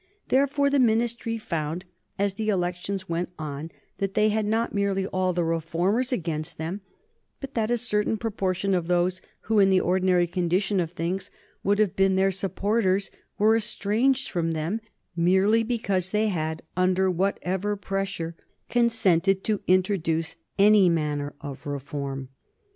Therefore, the Ministry found, as the elections went on, that they had not merely all the reformers against them, but that a certain proportion of those who, in the ordinary condition of things, would have been their supporters were estranged from them merely because they had, under whatever pressure, consented to introduce any manner of reform.